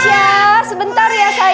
kesya sebentar ya sayang